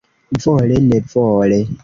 Vole nevole.